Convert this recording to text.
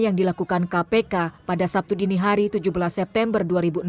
yang dilakukan kpk pada sabtu dini hari tujuh belas september dua ribu enam belas